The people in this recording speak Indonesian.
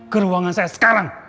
ke ruangan saya sekarang